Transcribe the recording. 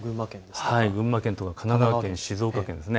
群馬県とか神奈川県、静岡県です。